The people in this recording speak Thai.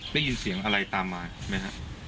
ได้ยินเสียงอะไรตามมาไหมฮะ